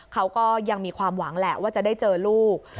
เขาก็ยังมีความหวังแหละว่าจะได้เจอลูก